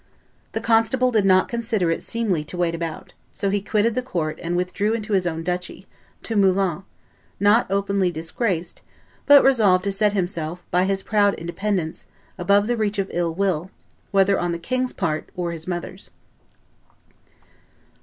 The constable did not consider it seemly to wait about; so he quitted the court and withdrew into his own duchy, to Moulins, not openly disgraced, but resolved to set himself, by his proud independence, above the reach of ill will, whether on the king's part or his mother's.